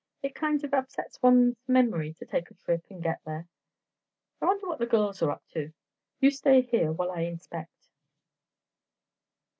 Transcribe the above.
It kind of upsets one's memory to take a trip and get here. I wonder what the girls are up to? You stay here while I inspect."